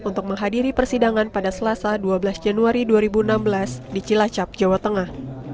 untuk menghadiri persidangan pada selasa dua belas januari dua ribu enam belas di cilacap jawa tengah